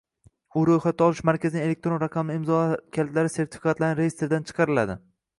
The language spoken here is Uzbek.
u ro‘yxatga olish markazining elektron raqamli imzolar kalitlari sertifikatlarining reyestridan chiqariladi